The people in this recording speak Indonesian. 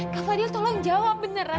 kak fadil tolong jawab beneran